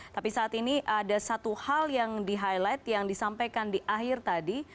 tapi saat ini ada satu hal yang di highlight yang disampaikan di akhir tadi